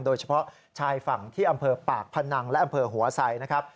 โดยเฉพาะชายฝั่งที่อำเภอปากพนังและอำเภอหัวไซนะครับ